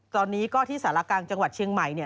ตอนนี้ก็ที่สารกลางจังหวัดเชียงใหม่เนี่ย